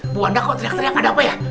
buanda kok teriak teriak ada apa ya